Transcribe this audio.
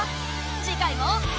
次回も。